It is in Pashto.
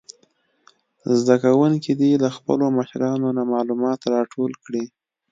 زده کوونکي دې له خپلو مشرانو نه معلومات راټول کړي.